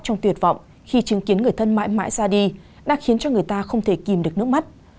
trong tuyệt vọng khi chứng kiến người thân mãi mãi ra đi đã khiến cho người ta không thể kìm được nước mắt